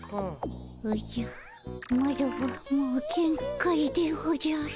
おじゃマロはもうげん界でおじゃる。